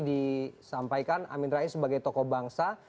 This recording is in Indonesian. disampaikan amin rais sebagai tokoh bangsa